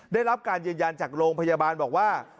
ได้รับการยืนยันจากโรงพยาบาลบอกว่า